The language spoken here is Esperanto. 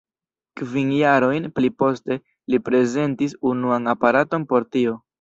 Kvin jarojn pli poste, li prezentis unuan aparaton por tio.